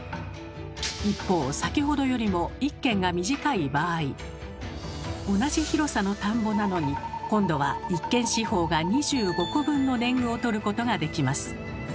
一方先ほどよりも１間が短い場合同じ広さの田んぼなのに今度は１間四方が２５個分の年貢をとることができます。